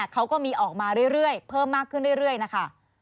เขาก็มีออกมาเรื่อยเพิ่มมากขึ้นเรื่อยนะคะ